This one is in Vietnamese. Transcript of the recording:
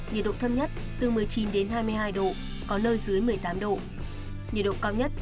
nhiệt độ thâm nhất từ một mươi chín hai mươi hai độ có nơi dưới một mươi tám độ